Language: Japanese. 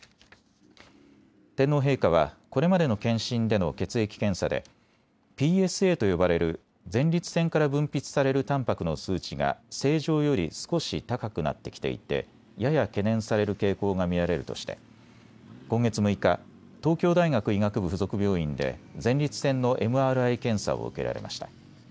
天皇陛下はこれまでの検診での血液検査でＰＳＡと呼ばれる前立腺から分泌されるたんぱくの数値が正常より少し高くなってきていてやや懸念される傾向が見られるとして今月６日、東京大学医学部附属病院で前立腺のＭＲＩ検査を受けられました。